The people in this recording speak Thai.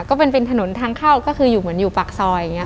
ก็เป็นเป็นถนนทางเข้าก็คืออยู่เหมือนอยู่ปากซอยอย่างนี้ค่ะ